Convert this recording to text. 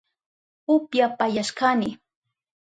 Upyapayashkani